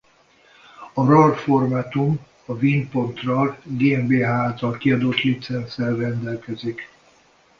A rar formátum a win.rar GmbH által kiadott licenccel rendelkezik.